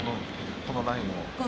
このラインを。